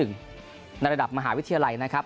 ในระดับมหาวิทยาลัยนะครับ